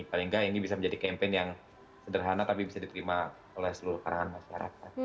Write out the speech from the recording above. paling nggak ini bisa menjadi campaign yang sederhana tapi bisa diterima oleh seluruh kalangan masyarakat